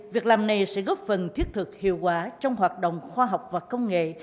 việc làm này sẽ góp phần thiết thực hiệu quả trong hoạt động khoa học và công nghệ